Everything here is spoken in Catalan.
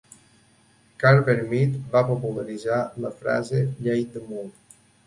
Carver Mead va popularitzar la frase "llei de Moore".